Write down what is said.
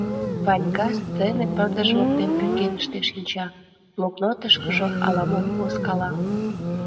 Ванька сцене пырдыж воктен пӱкеныште шинча, блокнотышкыжо ала-мом возкала.